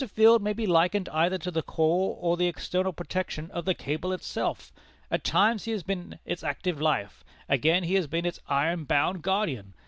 Field may be likened either to the core, or the external protection, of the cable itself. At times he has been its active life; again he has been its iron bound guardian.